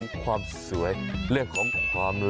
เรื่องของความสวยเรื่องของความล่อ